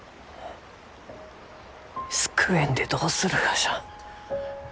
救えんでどうするがじゃ？